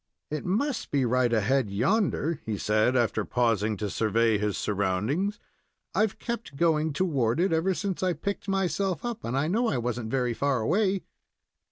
"It must be right ahead, yonder," he said, after pausing to survey his surroundings. "I've kept going toward it ever since I picked myself up, and I know I wasn't very far away."